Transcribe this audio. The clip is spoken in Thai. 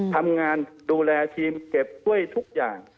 ทำงานดูแลทีมเก็บกล้วยทุกอย่าง